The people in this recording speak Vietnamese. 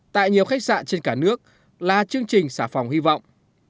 tại nhiều khách sạn trên cả nước là chương trình xà phòng hy vọng